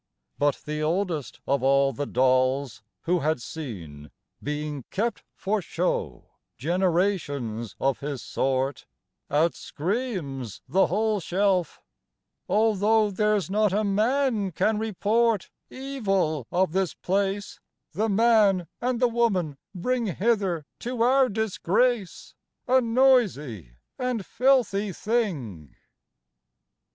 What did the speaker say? But the oldest of all the dolls Who had seen, being kept for show, Generations of his sort, Out screams the whole shelf: 'Although There's not a man can report Evil of this place, The man and the woman bring Hither to our disgrace, A noisy and filthy thing.'